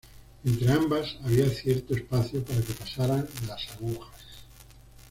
Entre ambas había cierto espacio para que pasaran las aguas.